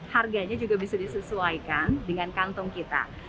harganya juga bisa disesuaikan dengan kantong kita